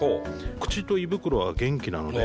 口と胃袋は元気なので。